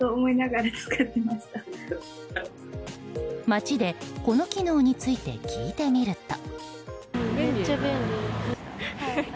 街で、この機能について聞いてみると。